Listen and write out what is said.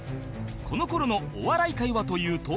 この頃のお笑い界はというと